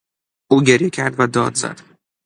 او گریه کرد و داد زد.